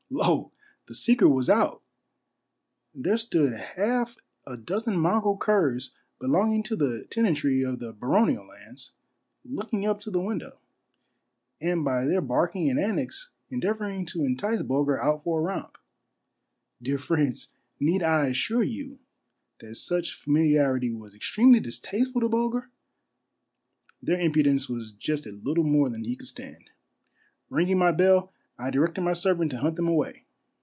Lo, the secret was out ! There stood half a dozen mongrel curs belonging to the tenantry of the baronial lands, looking up to the window, and by their barking and antics endeavoring to entice Bulger out for a romp. Dear friends, need I assure you that such familiarity was extremely distasteful to Bulger? Their impudence was just a little more than he could stand. Ringing my bell, I directed my servant to hunt them away.